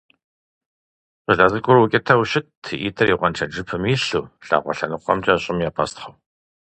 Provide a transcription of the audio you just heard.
ЩӀалэ цӀыкӀур укӀытэу щытт, и ӀитӀыр и гъуэншэдж жыпым илъу, лъакъуэ лъэныкъуэмкӀэ щӀым епӀэстхъыу.